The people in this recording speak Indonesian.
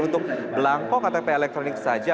untuk belangko ktp elektronik saja